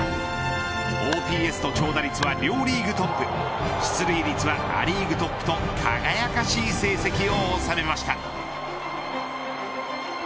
ＯＰＳと長打率は両リーグトップ出塁率はア・リーグトップと輝かしい成績を収めました。